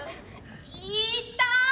「いった！」。